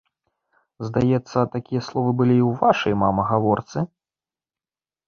Здаецца, такія словы былі ў вашай, мама, гаворцы?